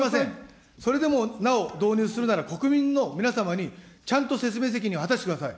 それでもなお導入するなら、国民の皆さんにちゃんと説明責任を果たしてください。